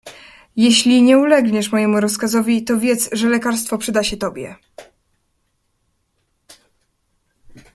"Jeśli nie ulegniesz memu rozkazowi, to wiedz, że lekarstwo przyda się tobie."